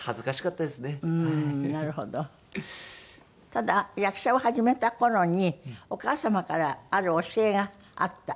ただ役者を始めた頃にお母様からある教えがあった？